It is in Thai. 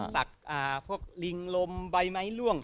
ตักพวกลิงลมใบไม้ล่วง